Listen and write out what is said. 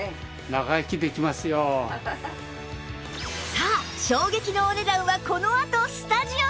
さあ衝撃のお値段はこのあとスタジオで！